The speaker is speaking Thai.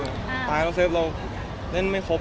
ถ้าตายแล้วเซฟเราเล่นไม่ครบ